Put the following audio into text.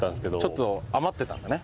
ちょっと余ってたんだね。